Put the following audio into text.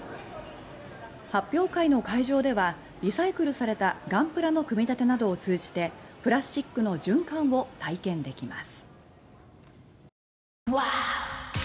発表会の会場ではリサイクルされた「ガンプラ」の組み立てなどを通じてプラスチックの循環を体験できます。